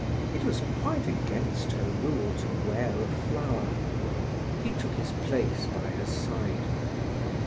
It was quite against her rule to wear a flower. He took his place by her side.